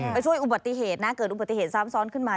ไปช่วยอุบัติเหตุนะเกิดอุบัติเหตุซ้ำซ้อนขึ้นมา